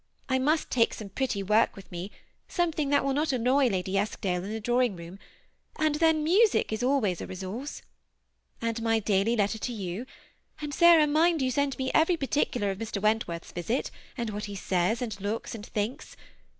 I must take some pretty work with me, something that will not annoy Lady Eskdale in the drawing room ; and then music is always a resource. And my daily letter to you ; and, Sarah, mind you send me every particular of Mr. Wentworth's visit, and what he says, and looks, and thinks.